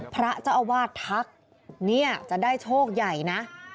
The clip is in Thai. พระเจ้าอาวาสทักเนี่ยจะได้โชคใหญ่นะ